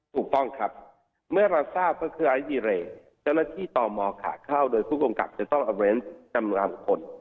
ถูกต้องครับเมื่อเราทราบว่าเครื่องไอศิเวร์เจ้าหน้าที่ต่อมขาดเข้าโดยคุณกรรมกลับจะต้องแอบเวนส์กำลังผล